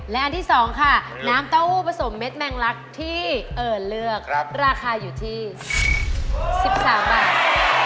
และอันที่๒ค่ะน้ำเต้าหู้ผสมเม็ดแมงลักที่เอิญเลือกราคาอยู่ที่๑๓บาท